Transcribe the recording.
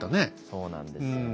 そうなんですよね。